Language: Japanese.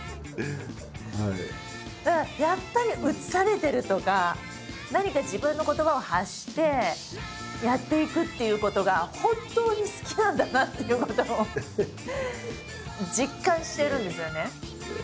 だからやっぱり映されてるとか何か自分の言葉を発してやっていくっていうことが本当に好きなんだなっていうことを実感してるんですよね。